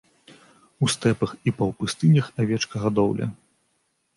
У стэпах і паўпустынях авечкагадоўля.